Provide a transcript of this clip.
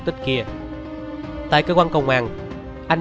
được đưa ra trong nơi này